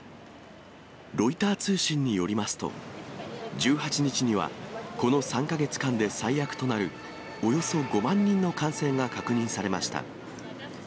ロイター通信によりますと、１８日には、この３か月間で最悪となる、およそ５万人の感染が確認されました。